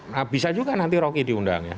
nah bisa juga nanti rocky diundang ya